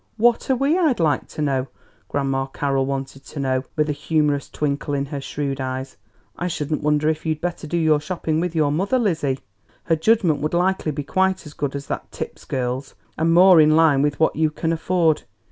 "What are we, I'd like to know?" Grandma Carroll wanted to know, with a humorous twinkle in her shrewd eyes. "I shouldn't wonder if you'd better do your shopping with your mother, Lizzie; her judgment would likely be quite as good as that Tipp girl's, and more in a line with what you can afford.